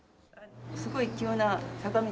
すごい急な坂道。